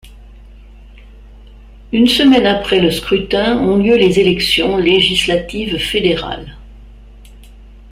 Une semaine après le scrutin ont lieu les élections législatives fédérales.